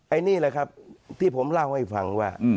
อันนี้แหละครับที่ผมเล่าให้ฟังว่า